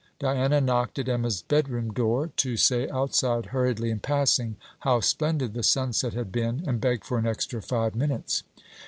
Diana knocked at Emma's bedroom door, to say, outside, hurriedly in passing, how splendid the sunset had been, and beg for an extra five minutes.